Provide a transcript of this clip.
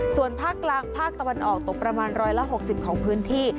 ส่วนภาคกลางภาคตะวันออกตกประมาณ๑๖๐ของพื้นที่